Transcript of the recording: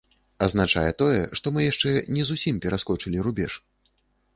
Азначае тое, што мы яшчэ не зусім пераскочылі рубеж.